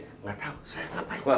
gak tahu saya ngapain